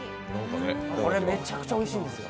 これめちゃくちゃおいしいんですよ。